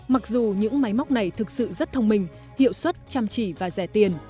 mặc dù những máy móc này thực sự rất thông minh hiệu suất chăm chỉ và rẻ tiền